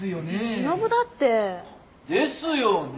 しのぶだって。ですよね。